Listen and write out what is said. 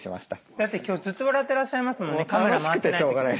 だって今日ずっと笑ってらっしゃいますもんねカメラ回ってない時。